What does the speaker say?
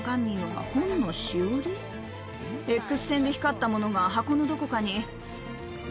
Ｘ線で光ったものが箱のどこかに。